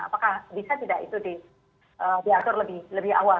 apakah bisa tidak itu diatur lebih awal